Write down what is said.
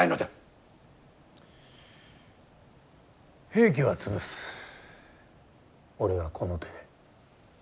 平家は潰す俺がこの手で。